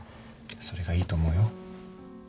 それがいいと思うよ。